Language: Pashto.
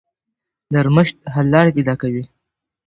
نرمښت حل لارې پیدا کوي.